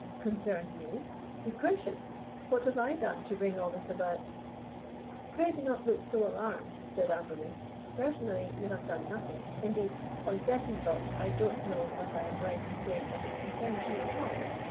"Concerns me? Good gracious! What have I done to bring all this about?" "Pray do not look so alarmed," said Amberley, "Personally you have done nothing. Indeed, on second thoughts, I don't know that I am right in saying that it concerns you at all.